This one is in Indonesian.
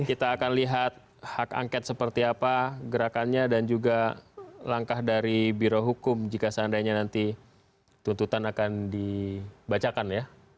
kita akan lihat hak angket seperti apa gerakannya dan juga langkah dari biro hukum jika seandainya nanti tuntutan akan dibacakan ya